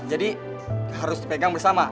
jadi harus dipegang bersama